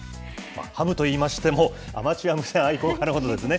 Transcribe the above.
ハムと言いましても、アマチュア無線愛好家のことですね。